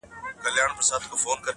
د ژبې نګه محاوروي رنګ لږ څه تت دی